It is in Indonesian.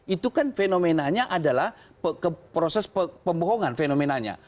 itu kan fenomenanya adalah proses pembohongan fenomenanya